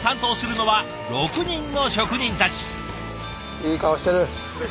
いい顔してる。